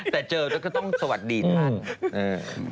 แต่เจอแล้วก็ต้องสวัสดีนะครับ